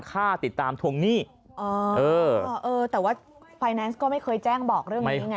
ค่าติดตามทวงหนี้อ๋อเออเออแต่ว่าไฟแนนซ์ก็ไม่เคยแจ้งบอกเรื่องนี้ไง